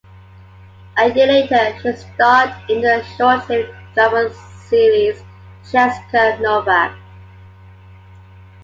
A year later she starred in the short-lived drama series "Jessica Novak".